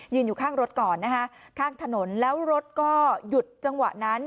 อยู่ข้างรถก่อนนะคะข้างถนนแล้วรถก็หยุดจังหวะนั้น